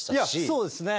そうですね。